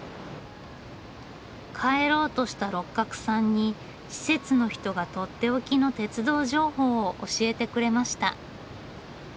帰ろうとした六角さんに施設の人がとっておきの鉄道情報を教えてくれました。